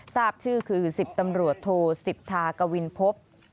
ทราบชื่อคือ๑๐ตำรวจโทสิทธากวินพบ